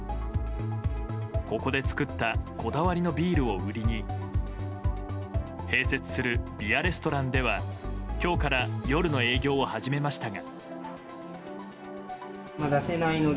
ここで作ったこだわりのビールを売りに併設するビアレストランでは今日から夜の営業を始めましたが。